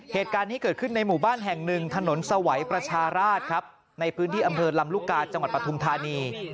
เหตุการณ์นี้เกิดขึ้นในหมู่บ้านแห่งหนึ่งถนนสวัยประชาราชครับในพื้นที่อำเภอลำลูกกาจังหวัดปฐุมธานี